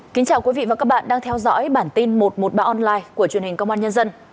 chào mừng quý vị đến với bản tin một trăm một mươi ba online của truyền hình công an nhân dân